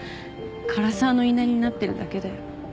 唐澤の言いなりになってるだけだよ。